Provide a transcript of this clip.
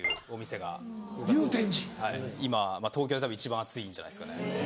今東京でたぶん一番アツいんじゃないですかね。